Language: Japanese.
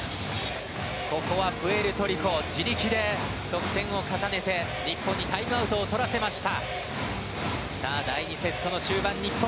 ここはプエルトリコ自力で得点を重ねて日本にタイムアウトをとらせました。